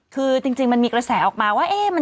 คือจริงมันมีกระแสออกมาว่า